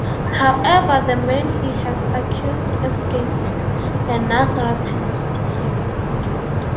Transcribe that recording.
However the man he has accused escapes and now threatens him.